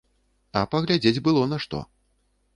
А паглядзець было на што.